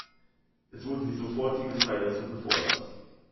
Es wurde die sofortige Freilassung gefordert.